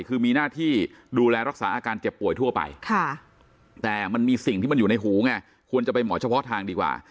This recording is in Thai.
คือมีหน้าที่ดูแลรักษาอาการเจ็บป่วยทั่วไปแต่มันมีสิ่งที่มันอยู่ในหูไงควรจะไปหมอเฉพาะทางดีกว่า